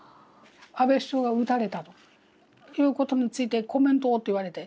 安倍首相が撃たれたということについてコメントをって言われて。